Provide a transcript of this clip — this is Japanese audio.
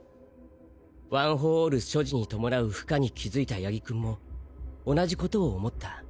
ワン・フォー・オール所持に伴う負荷に気付いた八木くんも同じ事を思った。